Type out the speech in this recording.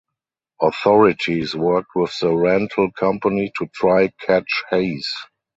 Authorities worked with the rental company to try to catch Hayes.